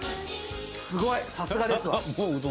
すごいさすがですわ。